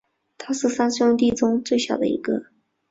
他是三兄弟中最小的一个。